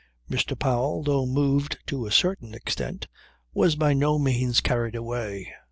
Mr. Powell, though moved to a certain extent, was by no means carried away.